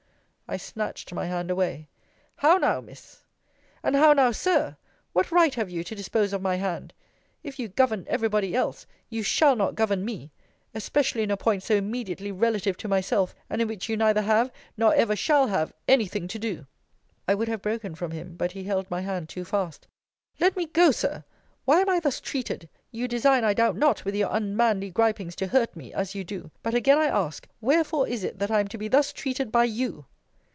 I snatched my hand away. How now, Miss ! And how now, Sir! What right have you to dispose of my hand? If you govern every body else, you shall not govern me; especially in a point so immediately relative to myself, and in which you neither have, nor ever shall have, any thing to do. I would have broken from him; but he held my hand too fast. Let me go, Sir! Why am I thus treated? You design, I doubt not, with your unmanly gripings, to hurt me, as you do: But again I ask, wherefore is it that I am to be thus treated by you?